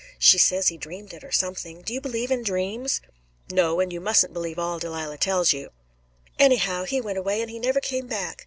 She says he dreamed it, or something. Do you believe in dreams?" "No, and you mustn't believe all Delilah tells you." "Anyhow, he went away, and he never came back.